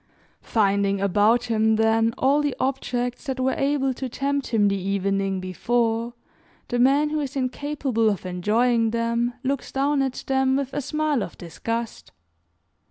Finding about him, then, all the objects that were able to tempt him the evening before, the man who is incapable of enjoying them, looks down at them with a smile of disgust.